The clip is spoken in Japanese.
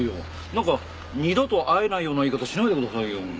なんか二度と会えないような言い方しないでくださいよ。